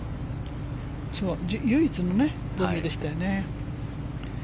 唯一のボギーでしたよね。